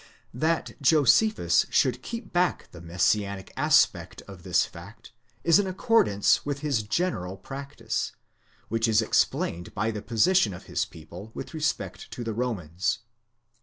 'That Josephus should keep back the Messianic aspect of the fact, is in accordance with his general practice, which is explained by the position of his people with respect to the Romans.